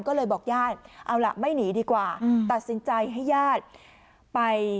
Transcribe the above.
ก็เลยบอกญาติเอาล่ะไม่หนีดีกว่าตัดสินใจให้ญาติไป